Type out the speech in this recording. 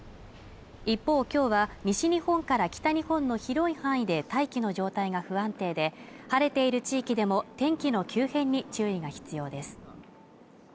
一方きょうは西日本から北日本の広い範囲で大気の状態が不安定で晴れている地域でも天気の急変に注意が必要です